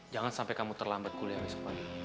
jangan sampai kamu terlambat kuliah besok pagi